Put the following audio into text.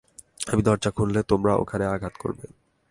আমি দরজা খুললে, তোমরা ওখানে আঘাত করবে।